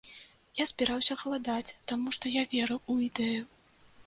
Я збіраўся галадаць, таму што я верыў у ідэю.